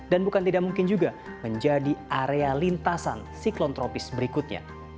dan bukan tidak mungkin juga menjadi area lintasan siklon tropis berikutnya